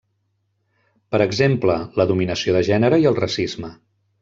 Per exemple, la dominació de gènere i el racisme.